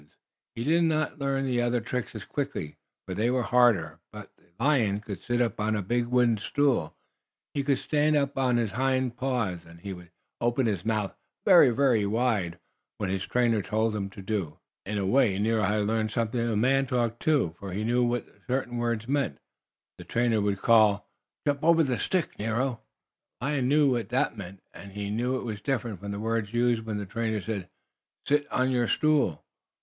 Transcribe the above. He did not learn the other tricks as quickly, for they were harder, but the lion could sit up on a big wooden stool, he could stand up on his hind paws, and he would open his mouth very wide when his trainer told him to. In a way Nero had learned something of man talk, too, for he knew what certain words meant. The trainer would call: "Jump over the stick, Nero!" The lion knew what that meant, and he knew it was different from the words used when the trainer said: "Sit on your stool!"